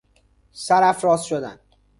سرافراز شدن